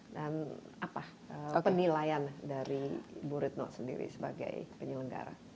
dan apa penilaian dari bu retno sendiri sebagai penyelenggara